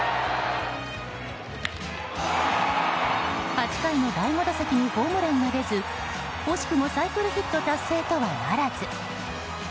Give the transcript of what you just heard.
８回の第５打席にホームランが出ず惜しくもサイクルヒット達成とはならず。